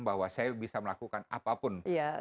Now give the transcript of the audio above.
bahwa saya bisa melakukan apapun